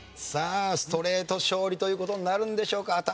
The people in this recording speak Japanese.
さあストレート勝利という事になるんでしょうか？